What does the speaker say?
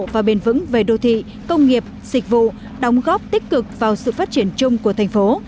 và bền vững về đô thị công nghiệp dịch vụ đóng góp tích cực vào sự phát triển chung của thành phố